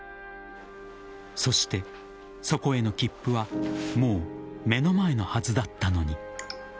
そして、そこへの切符はもう目の前のはずだったのに。